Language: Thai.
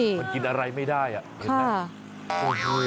มันกินอะไรไม่ได้เห็นไหม